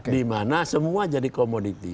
dimana semua jadi komoditi